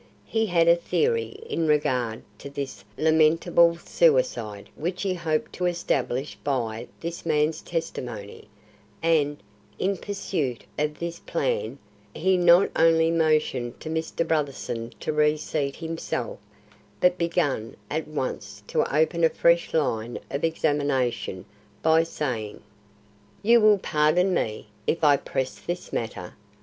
He had a theory in regard to this lamentable suicide which he hoped to establish by this man's testimony, and, in pursuit of this plan, he not only motioned to Mr. Brotherson to reseat himself, but began at once to open a fresh line of examination by saying: "You will pardon me, if I press this matter.